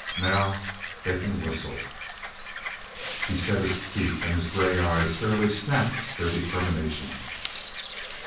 Now they can whistle!" He set his teeth and his gray eyes fairly snapped their determination.